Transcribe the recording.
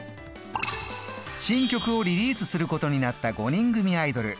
新曲をリリースすることになった５人組アイドル。